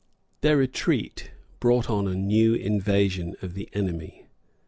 ] Their retreat brought on a new invasion of the enemy.